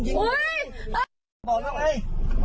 ที่ที่มาเนี่ย